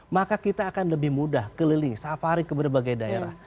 maka kita akan lebih mudah keliling safari ke berbagai daerah